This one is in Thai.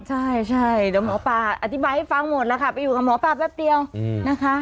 ใช่ใช่เดี๋ยวหมอปลาอธิบายให้ฟังหมดแล้วค่ะไปอยู่กับหมอปลาแป๊บเดียวนะคะ